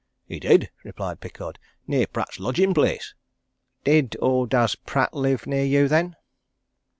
"He did," replied Pickard. "Near Pratt's lodgin' place." "Did or does Pratt live near you, then?"